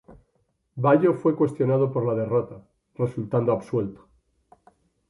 Bayo fue cuestionado por la derrota, resultando absuelto.